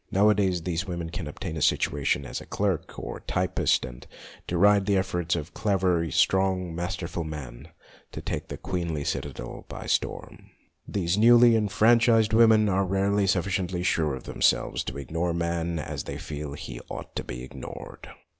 Nowadays these women can obtain a situation as clerk or typist and deride the efforts of clever, strong, masterful man to take the queenly citadel by storm. These newly enfranchised women are rarely sufficiently sure of themselves to ignore man as they feel he ought to be ignored.